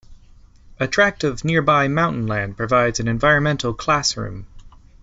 A tract of nearby mountain land provides an environmental "classroom".